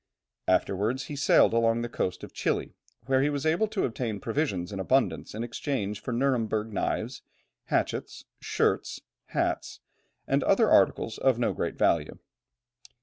Afterwards he sailed along the coast of Chili, where he was able to obtain provisions in abundance in exchange for Nuremberg knives, hatchets, shirts, hats, and other articles of no great value.